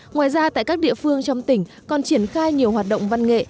ngoài ra tại các địa phương trong tỉnh còn triển khai nhiều hoạt động văn nghệ